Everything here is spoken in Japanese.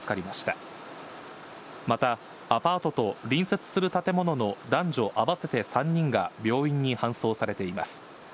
また、アパートと隣接する建物の男女合わせて３人が病院に搬送されています。